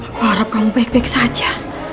aku harap kamu baik baik saja